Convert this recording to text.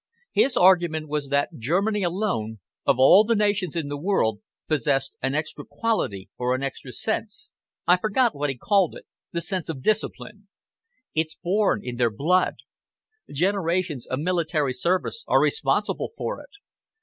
"His argument was that Germany alone, of all the nations in the world, possessed an extra quality or an extra sense I forget which he called it the sense of discipline. It's born in their blood. Generations of military service are responsible for it.